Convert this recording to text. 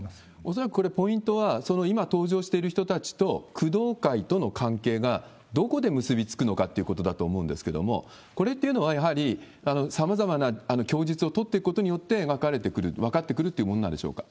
恐らくこれ、ポイントは今登場している人たちと、工藤会との関係がどこで結び付くのかというところかと思うんですけれども、これっていうのは、やはりさまざまな供述を取っていくことによって描かれてくる、分かってくるというものなんでしょうか？